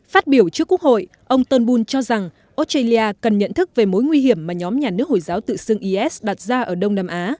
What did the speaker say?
phát biểu trước quốc hội ông turnbul cho rằng australia cần nhận thức về mối nguy hiểm mà nhóm nhà nước hồi giáo tự xưng is đặt ra ở đông nam á